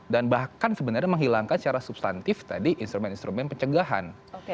dan bahkan sebenarnya menghilangkan secara substantif tadi instrumen instrumen pencegahan